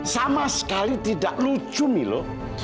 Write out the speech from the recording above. sama sekali tidak lucu milo